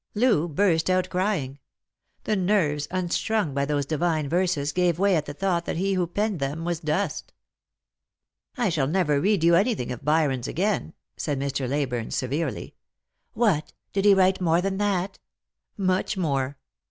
Loo burst out crying. The nerves, unstrung by those divine verses, gave way at the thought that he who penned them was dust. " I shall never read you anything of Byron's again," said Mr. Leyburne severely. " What ! Did he write more than that ?"" Much more."